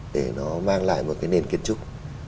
để nó mang lại một cái nền kiến trúc